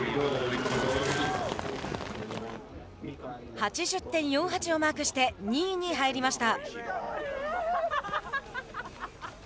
８０．４８をマークして２位に入りました。